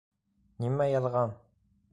- Нимә яҙған?